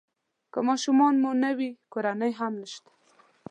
که ماشومان مو نه وي کورنۍ هم نشته.